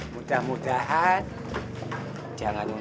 mudah mudahan jangan lupa